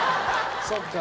そっか。